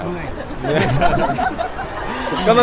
คุกเข้าไหมคะ